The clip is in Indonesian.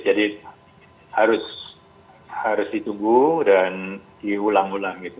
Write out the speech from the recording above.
jadi harus ditunggu dan diulang ulang gitu